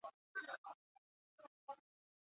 存世数量巨大。